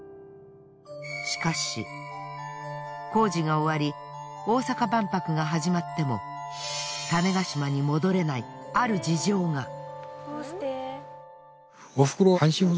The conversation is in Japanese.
しかし工事が終わり大阪万博が始まっても種子島に戻れないある事情が。